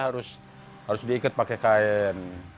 harus diikat pakai kain